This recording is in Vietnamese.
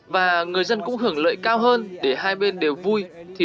và người dân cũng hưởng lợi cao hơn để hai bên đều vui